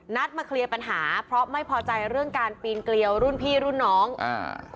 นัดมาเคลียร์ปัญหาเพราะไม่พอใจเรื่องการปีนเกลียวรุ่นพี่รุ่นน้องอ่า